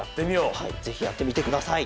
はいぜひやってみてください！